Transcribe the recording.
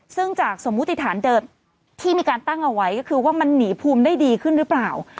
ซึ่งจากสมมุติฐานเดิมที่มีการตั้งเอาไว้ก็คือว่ามันหนีภูมิได้ดีขึ้นหรือเปล่า